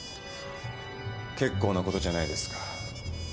結構なことじゃないですか。